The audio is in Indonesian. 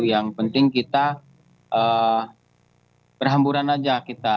yang penting kita berhamburan aja kita